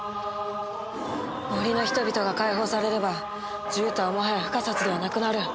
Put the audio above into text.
森の人々が解放されれば獣人はもはや不可殺ではなくなる。